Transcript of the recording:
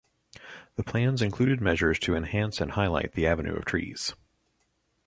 The plans included measures to enhance and highlight the avenue of trees.